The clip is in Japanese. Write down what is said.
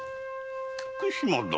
菊島殿。